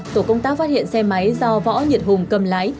tổ công tác phát hiện xe máy do võ nhật hùng cầm lái